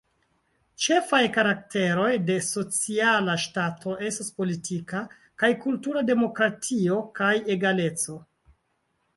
Ĉefaj karakteroj de Sociala Ŝtato estas politika kaj kultura demokratio kaj egaleco.